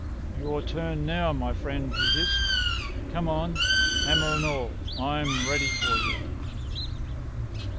"Your turn now, my friend!" he hissed. "Come on, hammer and all! I'm ready for you."